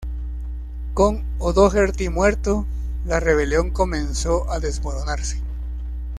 Con O'Doherty muerto, la rebelión comenzó a desmoronarse.